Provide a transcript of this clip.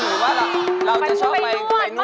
บริการหรือว่าอะไร